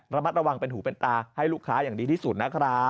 ระมัดระวังเป็นหูเป็นตาให้ลูกค้าอย่างดีที่สุดนะครับ